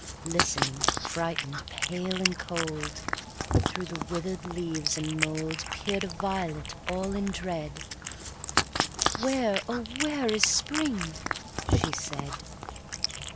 Listening, frightened, pale, and cold, Through the withered leaves and mouldPeered a violet all in dread—"Where, oh, where is spring?" she said.